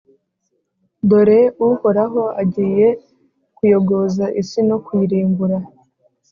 Dore Uhoraho agiye kuyogoza isi no kuyirimbura,